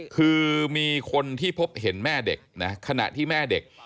คือมีคนที่พบเห็นแม่เด็กนะขณะที่แม่เด็ก